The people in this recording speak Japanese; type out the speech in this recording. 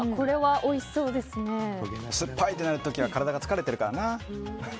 酸っぱいとなる時は体が疲れてるからな。